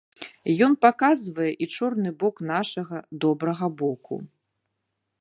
Ён паказвае і чорны бок нашага, добрага боку.